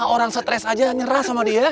orang stres aja nyerah sama dia